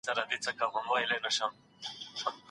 ذهن مو د مثبتو کارونو مرکز وګرځوئ.